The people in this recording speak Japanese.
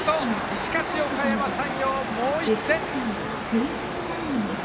しかし、おかやま山陽、もう１点。